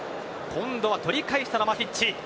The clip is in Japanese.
今度は取り返したマティッチ。